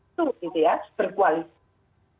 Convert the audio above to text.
itu gitu ya berkualitas